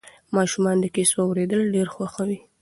ماشومان د کیسو اورېدل ډېر خوښوي.